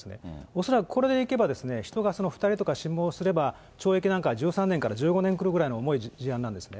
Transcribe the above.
恐らくこれでいけばですね、人が２人とか死亡すれば、懲役なんかは１３年から１５年くるくらいの重い事案なんですね。